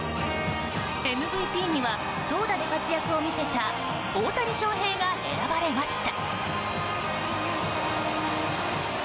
ＭＶＰには投打で活躍を見せた大谷翔平が選ばれました。